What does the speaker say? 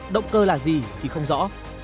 động cơ là gì thì không rõ